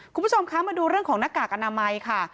คุณผู้ชมคะมาดูเรื่องของหน้ากากอนามัยค่ะ